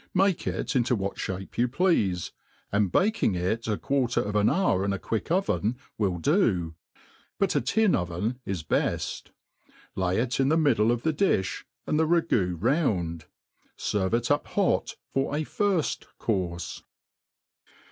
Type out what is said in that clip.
Make it into what fbape you pleafe, and bak ing it a quarter of an hour in a quick oven will do, but a tin oven is the heft ; lay it in the middle of the difti, and th^ ra ^ goo round. Serve it up hot for a firft courfe.